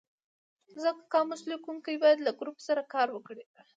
ځکه قاموس لیکونکی باید له ګروپ سره کار وکړي.